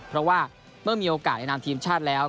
เพราะว่าเมื่อมีโอกาสในนามทีมชาติแล้ว